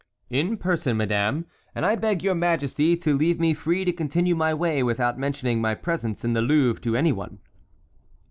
"In person, madame, and I beg your majesty to leave me free to continue my way without mentioning my presence in the Louvre to any one."